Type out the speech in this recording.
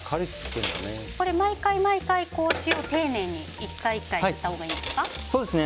毎回、塩を丁寧に１回１回振ったほうがいいんですか。